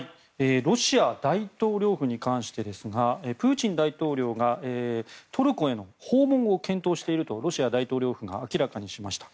ロシア大統領府に関してプーチン大統領がトルコへの訪問を検討しているとロシア大統領府が明らかにしました。